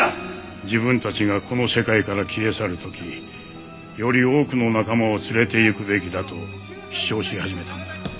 自分たちがこの世界から消え去る時より多くの仲間を連れていくべきだと主張し始めた。